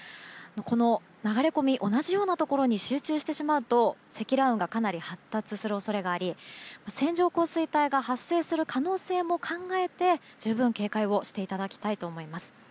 この流れ込み同じようなところに集中してしまうと積乱雲がかなり発達する恐れがあり線状降水帯が発生する可能性も考えて十分警戒をしていただきたいと思います。